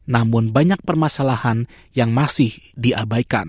namun banyak permasalahan yang masih diabaikan